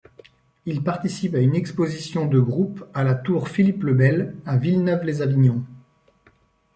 Il participe à une exposition de groupe à la Tour Philippe-le-Bel à Villeneuve-lès-Avignon.